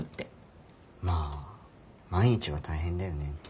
まあ毎日は大変だよね。